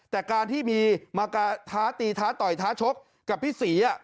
แต่การที่มีมากท้าตีท้าต่อยท้าชกกับพี่ศรี